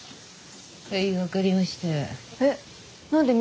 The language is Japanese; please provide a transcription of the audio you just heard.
はい分かりました。